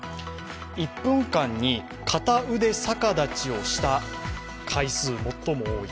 １分間に片腕逆立ちをした回数最も多い。